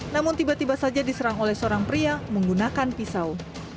namun tiba tiba saja diserang oleh seorang pria menggunakan pisau